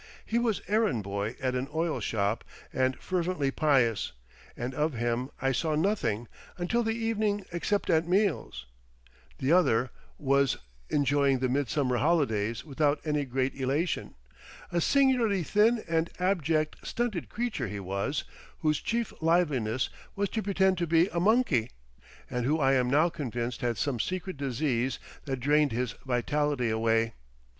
He was errand boy at an oil shop and fervently pious, and of him I saw nothing until the evening except at meals; the other was enjoying the midsummer holidays without any great elation; a singularly thin and abject, stunted creature he was, whose chief liveliness was to pretend to be a monkey, and who I am now convinced had some secret disease that drained his vitality away.